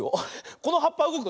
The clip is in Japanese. このはっぱうごくよ。